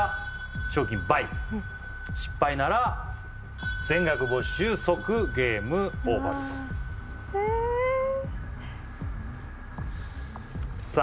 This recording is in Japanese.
失敗なら全額没収即ゲームオーバーですええさあ